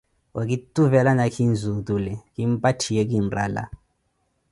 okituvela nakhinzi otule, kimpatthiye kinrala.